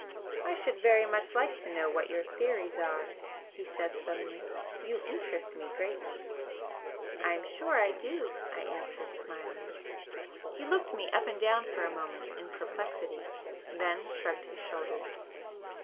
"I should very much like to know what your theories are" he said, suddenly "You interest me greatly." "I'm sure I do!" I answered, smiling. He looked me up and down for a moment in perplexity then shrugged his shoulders.